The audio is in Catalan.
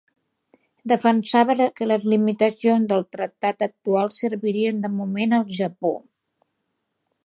Defensava que les limitacions del tractat actual servirien de moment al Japó.